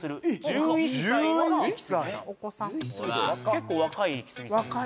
結構若いイキスギさんですよね